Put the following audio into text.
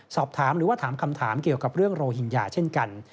สอบถามหรือว่าถามคำถามเกี่ยวกับเรื่องโรหิงญาเช่นกัน